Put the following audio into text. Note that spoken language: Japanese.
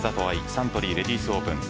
サントリーレディスオープン。